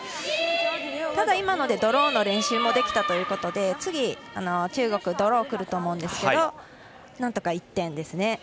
ただ、今のでドローの練習もできたので次、中国ドロー来ると思うんですけどなんとか１点ですね。